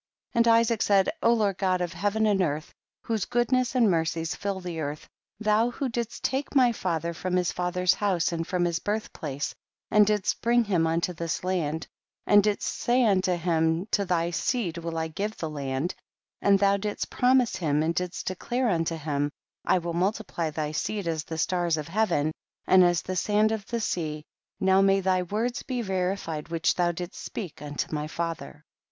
6. And Isaac said, Lord God of heaven and earth, whose good ness and mercies fill the earth, thou who didst take my father from his THE BOOK OF JASHER. 75 father's house and from his birlh j)lace, and didst bring him unto this land, and didst say unto him, to thy seed will I give the land, and thou didst promise him and didst declare unto him, I will multiply thy seed as the stars of heaven and as the sand of the sea, now may thy words be veritied which thou didst speak unto my father.